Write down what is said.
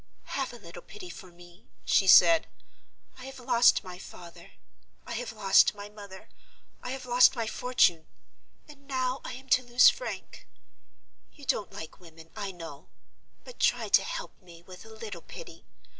"Have a little pity for me," she said. "I have lost my father; I have lost my mother; I have lost my fortune—and now I am to lose Frank. You don't like women, I know; but try to help me with a little pity.